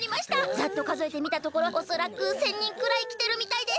ざっとかぞえてみたところおそらく１，０００人くらいきてるみたいです。